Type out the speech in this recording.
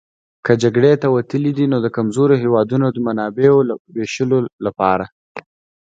که جګړې ته وتلي دي نو د کمزورو هېوادونو د منابعو وېشلو لپاره.